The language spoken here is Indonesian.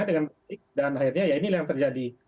dan akhirnya ya inilah yang terjadi